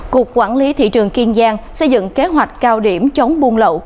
cục quản lý thị trường kiên giang xây dựng kế hoạch cao điểm chống buôn lậu